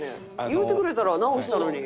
言うてくれたら直したのに。